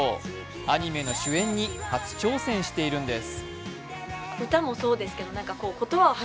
アニメの主演に初挑戦しているんです。